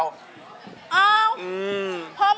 อ้าวพอมอง